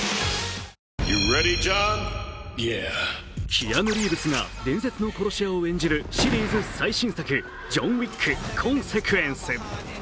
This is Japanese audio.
キアヌ・リーブスが伝説の殺し屋を演じるシリーズ最新作「ジョン・ウィック：コンセクエンス」。